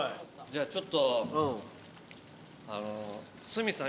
じゃあちょっと。